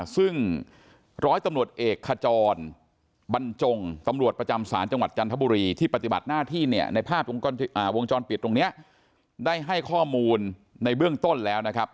ซึ่งร้อยตำรวจเอกขจรบรรจงตำรวจประจำศาลจังหวัดจันทบุรีที่ปฏิบัติหน้าที่เนี่ยในภาพวงจรปิดตรงนี้ได้ให้ข้อมูลในเบื้องต้นแล้วนะครับ